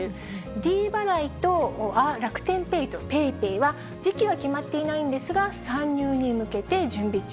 ｄ払いと楽天ペイとＰａｙＰａｙは、時期は決まっていないんですが、参入に向けて準備中。